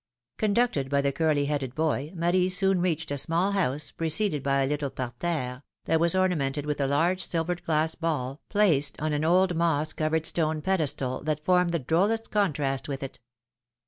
Conducted by the curly headed boy, Marie soon reached a small house, preceded by a little parterre, that was ornamented with a large silvered glass ball, placed on an old moss covered stone pedestal, that formed the drollest contrast with it.